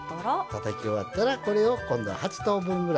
たたき終わったらこれを今度は８等分ぐらい。